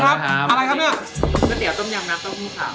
ก๋วยเตี๋ยวต้มยำน้ำเต้าหู้ค่ะ